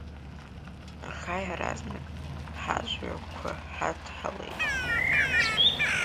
Аха иаразнак ҳажәҩақәа ҳадҳалеит.